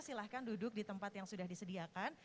silahkan duduk di tempat yang sudah disediakan